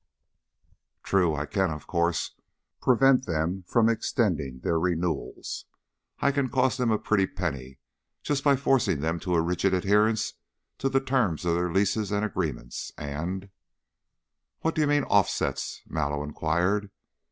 "True. I can, of course, prevent them from extending their renewals. I can cost them a pretty penny just by forcing them to a rigid adherence to the terms of their leases and agreements and " "What do you mean, 'offsets'?" Mallow inquired.